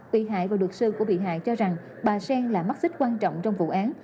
bị hại và luật sư của bị hại cho rằng bà sen là mắt xích quan trọng trong vụ án